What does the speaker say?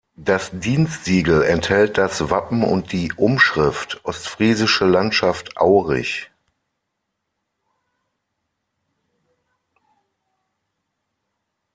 Das Dienstsiegel enthält das Wappen und die Umschrift „Ostfriesische Landschaft Aurich“.